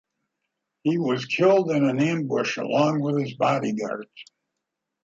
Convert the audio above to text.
He was killed in an ambush along with his bodyguards.